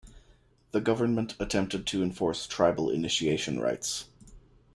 The government attempted to enforce tribal initiation rites.